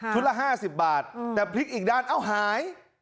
ละ๕๐บาทแต่พลิกอีกด้านเอ้าหาย